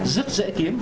rất dễ kiếm